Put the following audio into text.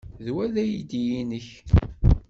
D wa ay d aydi-nnek?